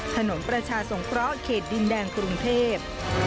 ถนนประชาสงเคราะห์เขตดินแดงกรุงเทพ